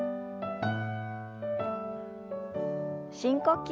深呼吸。